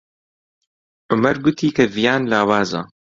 عومەر گوتی کە ڤیان لاوازە.